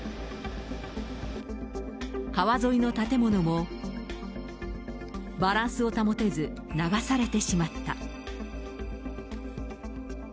川沿いの建物もバランスを保てず、流されてしまった。